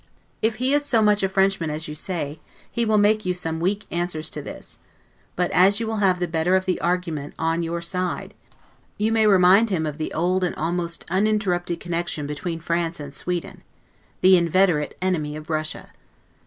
If he is so much a Frenchman as you say, he will make you some weak answers to this; but, as you will have the better of the argument on your side, you may remind him of the old and almost uninterrupted connection between France and Sweden, the inveterate enemy of Russia.